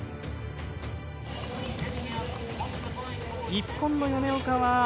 日本の米岡は。